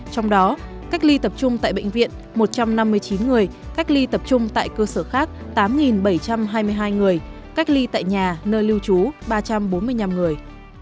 trong đó cách ly tập trung tại bệnh viện một trăm năm mươi chín người cách ly tập trung tại cơ sở khác tám bảy trăm hai mươi hai người cách ly tại nhà nơi lưu trú ba trăm bốn mươi năm người